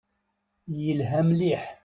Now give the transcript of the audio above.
Yelha mliḥ.